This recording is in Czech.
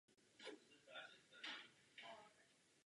Bojoval s Ruskem na Haličské frontě ve východní části mocnářství.